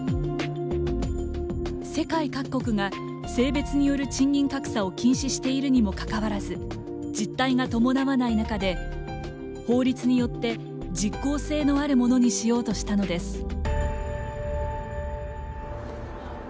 世界各国が性別による賃金格差を禁止しているにもかかわらず実態が伴わない中で法律によって実効性のあるものにしようとしたのです。